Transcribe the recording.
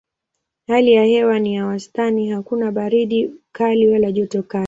Hali ya hewa ni ya wastani: hakuna baridi kali wala joto kali.